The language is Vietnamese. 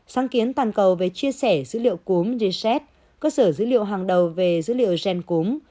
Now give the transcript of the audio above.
sáng kiến toàn cầu về chia sẻ dữ liệu cúm jet cơ sở dữ liệu hàng đầu về dữ liệu gen cúm